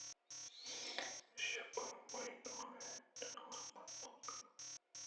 ایشی ءَ پد مئے دُرٛاہیں جاور مٹ بوتگ اَنت